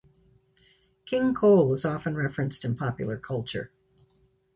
King Cole is often referenced in popular culture.